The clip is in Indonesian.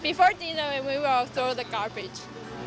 sebelum malam kita akan membuang sampah